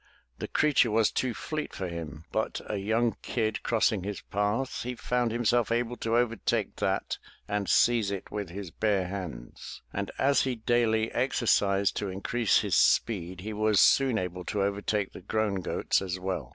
The creature was too fleet for him, but a young kid crossing his path, he found himself able to overtake that and seize it with his bare hands, and as he daily exercised to increase his speed, he was soon able to overtake the grown goats as well.